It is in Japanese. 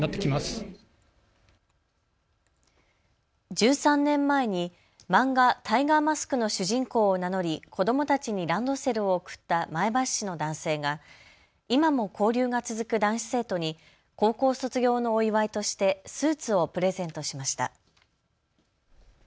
１３年前に漫画タイガーマスクの主人公を名乗り子どもたちにランドセルを贈った前橋市の男性が今も交流が続く男子生徒に高校卒業のお祝いとしてスーツをプレゼントしました。